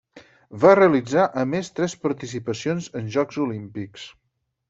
Va realitzar a més tres participacions en Jocs Olímpics.